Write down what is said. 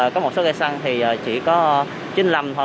có một số cây xăng thì chỉ có chín mươi năm thôi